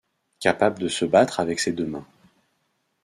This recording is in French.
Capable de se battre avec ses deux mains.